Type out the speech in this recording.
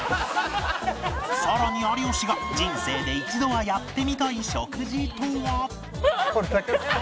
さらに有吉が人生で一度はやってみたい食事とは